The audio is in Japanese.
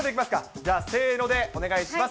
じゃあ、せーのでお願いします。